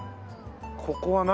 ここは何？